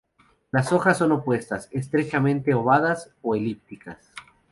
Las hojas son opuestas, estrechamente ovadas o elípticas.